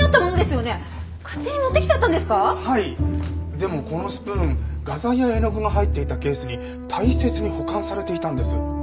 でもこのスプーン画材や絵の具が入っていたケースに大切に保管されていたんです。